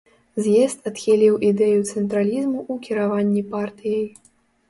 З'езд адхіліў ідэю цэнтралізму ў кіраванні партыяй.